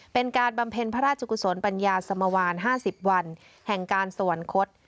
บำเพ็ญพระราชกุศลปัญญาสมวาน๕๐วันแห่งการสวรรคต